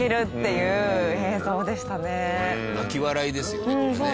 泣き笑いですよねこれね。